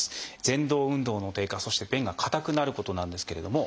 「ぜん動運動の低下」そして「便が硬くなること」なんですけれども。